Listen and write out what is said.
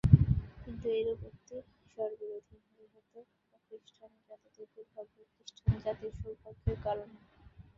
কিন্তু এইরূপ উক্তি স্ববিরোধী, যেহেতু অখ্রীষ্টান জাতিদের দুর্ভাগ্যই খ্রীষ্টানজাতির সৌভাগ্যের কারণ।